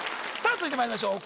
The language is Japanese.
続いてまいりましょう